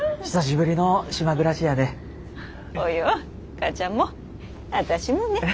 母ちゃんも私もね。